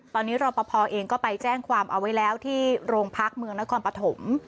ตอนนี้รอปภเองก็ไปแจ้งความเอาไว้แล้วที่โรงพักเมืองนครปฐม